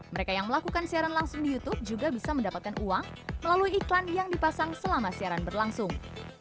mereka yang melakukan siaran langsung di youtube juga bisa mendapatkan uang melalui iklan yang dipasang selama siaran berlangsung